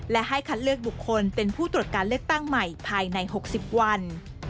และให้คัดเลือกบุคคลเป็นผู้ตรวจการเลือกตั้งใหม่ภายใน๖๐วัน